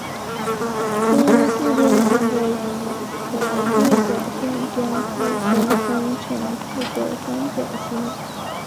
凸四边形的两条对角线将自身分成四个三角形。